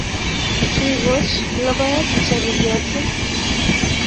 Kiikoch logoek che ruryotin